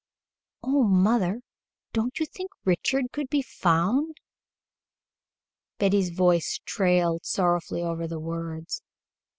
"Oh, mother, don't you think Richard could be found?" Betty's voice trailed sorrowfully over the words.